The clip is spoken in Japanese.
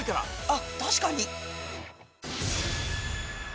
あっ確かに。